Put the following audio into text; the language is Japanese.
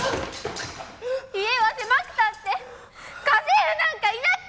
家は狭くたって家政婦なんかいなくたって。